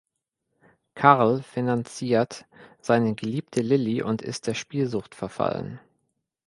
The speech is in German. Carl finanziert seine Geliebte Lilli und ist der Spielsucht verfallen.